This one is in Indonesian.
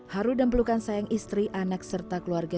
haru dan pelukan sayang istri anak serta keluarga